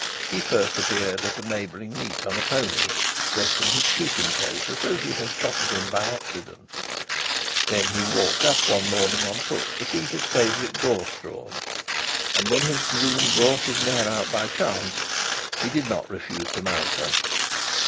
He first appeared at a neighbouring meet on a pony, dressed in his shooting coat, as though he had trotted in by accident; then he walked up one morning on foot to see his favourite gorse drawn, and when his groom brought his mare out by chance, he did not refuse to mount her.